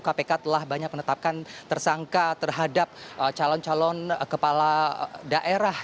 kpk telah banyak menetapkan tersangka terhadap calon calon kepala daerah